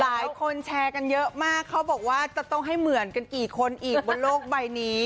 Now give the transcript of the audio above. หลายคนแชร์กันเยอะมากเขาบอกว่าจะต้องให้เหมือนกันกี่คนอีกบนโลกใบนี้